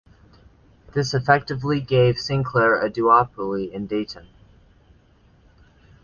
This effectively gave Sinclair a duopoly in Dayton.